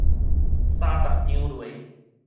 三十張犁